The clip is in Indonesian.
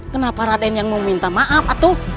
kenapa raden yang mau minta maaf atau